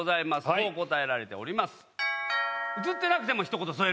こう答えられております。